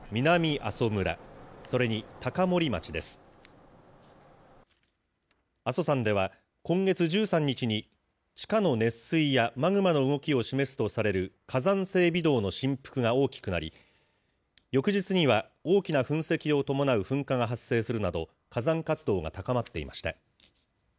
阿蘇山では、今月１３日に地下の熱水やマグマの動きを示すとされる火山性微動の振幅が大きくなり、翌日には、大きな噴石を伴う噴火が発生するなど、火山活動が高まっていました。